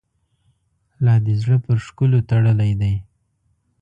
لا دي زړه پر ښکلو تړلی دی.